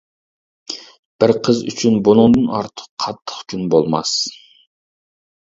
بىر قىز ئۈچۈن بۇنىڭدىن ئارتۇق قاتتىق كۈن بولماس.